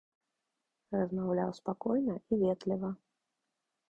Размаўляў спакойна і ветліва.